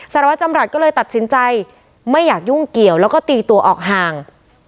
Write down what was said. สารวัตรจำรัฐก็เลยตัดสินใจไม่อยากยุ่งเกี่ยวแล้วก็ตีตัวออกห่าง